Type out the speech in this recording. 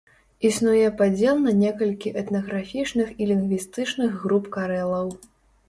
Існуе падзел на некалькі этнаграфічных і лінгвістычных груп карэлаў.